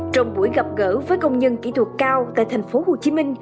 trong buổi gặp gỡ với công nhân kỹ thuật cao tại thành phố hồ chí minh